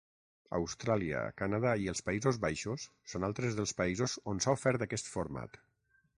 Austràlia, Canadà i els Països Baixos són altres dels països on s'ha ofert aquest format.